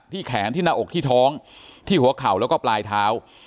แขนที่หน้าอกที่ท้องที่หัวเข่าแล้วก็ปลายเท้า